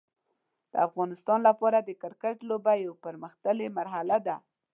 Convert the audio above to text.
د افغانستان لپاره د کرکټ لوبه یو پرمختللی مرحله ده.